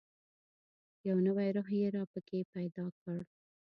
یو نوی روح یې را پکښې پیدا کړ.